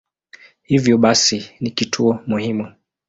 Hivyo basi ni kituo muhimu.